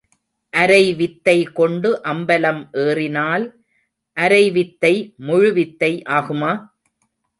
அரைவித்தை கொண்டு அம்பலம் ஏறினால் அரைவித்தை முழுவித்தை ஆகுமா?